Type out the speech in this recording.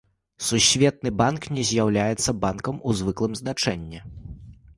Сусветны банк не з'яўляецца банкам у звыклым значэнні.